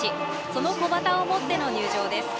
その小旗を持っての入場です。